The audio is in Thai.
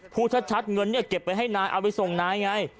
พูดชัดเงินเนี่ยเก็บไปให้นายเอาไปส่งนายไง